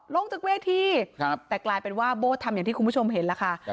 ลงจากเวทีแต่กลายเป็นว่าโบ้ทำอย่างที่คุณผู้ชมเห็นล่ะค่ะ